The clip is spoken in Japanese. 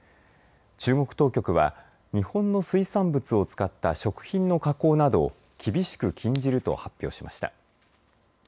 中国当局は日本の水産物を使った食品の加工などを厳しく禁じると発表しました。